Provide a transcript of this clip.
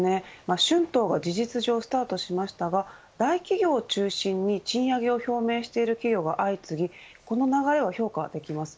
春闘は事実上スタートしましたが大企業を中心に賃上げを表明している企業が相次ぎこの流れは評価できます。